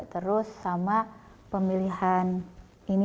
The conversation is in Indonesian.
terus sama pemilihan ini